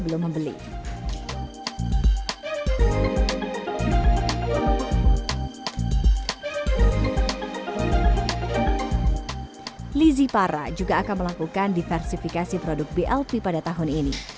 lizzie para juga akan melakukan diversifikasi produk blp pada tahun ini